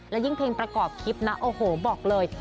และยิ่งเพลงประกอบคลิปนะโอ้โหบอกเลย